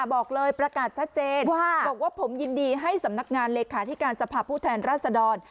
บอกเลยประกาศชัดเจนบอกว่าผมยินดีให้สำนักงานเลขาธิการสภาพผู้แทนราชดร